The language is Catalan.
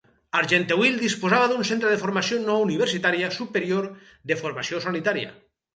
Argenteuil disposava d'un centre de formació no universitària superior de formació sanitària.